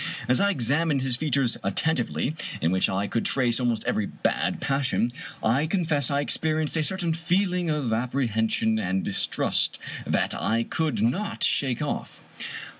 As I examined his features attentively, in which I could trace almost every bad passion, I confess I experienced a certain feeling of apprehension and distrust that I could not shake off.